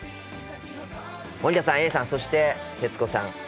森田さん映里さんそして徹子さん